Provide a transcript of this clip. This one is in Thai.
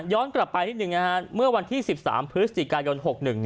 ย้อนกลับไปนิดนึงนะครับเมื่อวันที่๑๓พฤศจิกายน๖๑